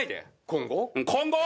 今後！